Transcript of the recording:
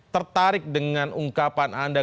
tertarik dengan ungkapan anda